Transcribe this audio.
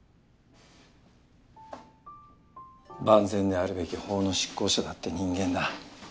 万全であるべき法の執行者だって人間だ。